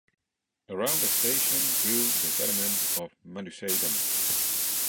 Around the station grew the settlement of "Manduessedum".